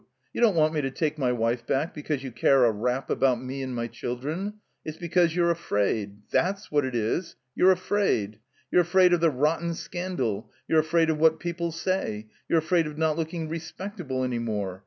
You don't want me to take my wife back because you care a rap about me and my chil dren. It's because you're afraid. That's what it is, you're afraid. You're afraid of the rotten scandal; you're afraid of what people '11 say; you're afraid of not looking respectable any more.